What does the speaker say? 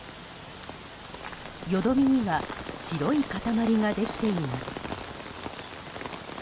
よどみには白い塊ができています。